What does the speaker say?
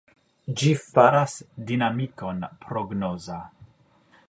Ĝi faras dinamikon prognoza.